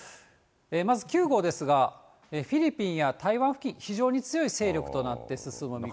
まず９号ですが、フィリピンや台湾付近、非常に強い勢力となって進む見込み。